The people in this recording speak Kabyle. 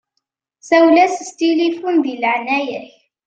Sawel-as s tilifun di leɛnaya-k.